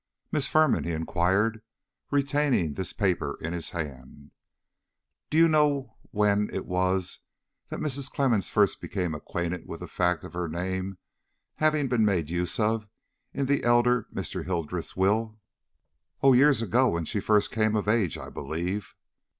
"Miss Firman," he inquired, retaining this paper in his hand, "do you know when it was that Mrs. Clemmens first became acquainted with the fact of her name having been made use of in the elder Mr. Hildreth's will?" "Oh, years ago; when she first came of age, I believe."